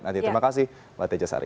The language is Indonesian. nanti terima kasih mbak teja sari